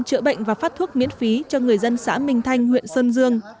chữa bệnh và phát thuốc miễn phí cho người dân xã minh thanh huyện sơn dương